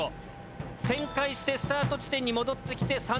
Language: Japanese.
旋回してスタート地点に戻ってきて３５ｋｍ。